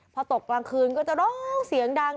พอตกกลางคืนก็จะร้องเสียงดัง